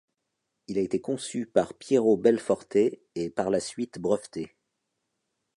Il a été conçu par Piero Belforte et par la suite breveté.